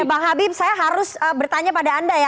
bang habib saya harus bertanya pada anda ya